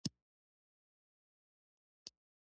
زموږ عضلې باید د خپلې دندې تر سره کولو لپاره پوره تیاری ولري.